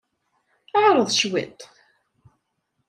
Ɛreḍ cwiṭ.